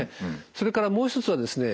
それからもう一つはですね